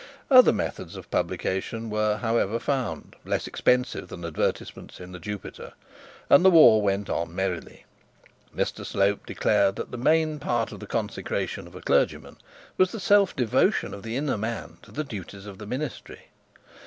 Other methods of publication were, however, found less expensive than advertisements in the Jupiter; and the war went on merrily. Mr Slope declared that the main part of the consecration of a clergyman was the self devotion of the inner man to the duties of the ministry.